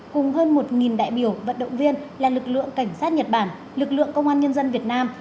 cùng hơn một đại biểu vận động viên là lực lượng cảnh sát nhật bản lực lượng công an nhân dân việt nam